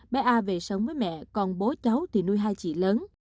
bé a về sống với mẹ còn bố cháu thì nuôi hai chị lớn